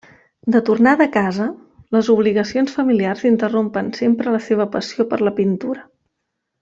De tornada a casa, les obligacions familiars interrompen sempre la seva passió per la pintura.